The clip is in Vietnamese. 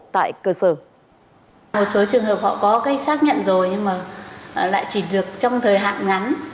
một số trường hợp họ có cái xác nhận rồi nhưng mà lại chỉ được trong thời hạn ngắn